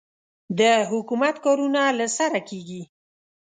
د حکومت کارونه له سره کېږي.